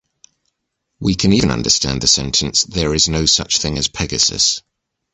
We can even understand the sentence There is no such thing as Pegasus.